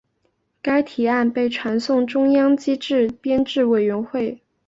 该提案被转送中央机构编制委员会。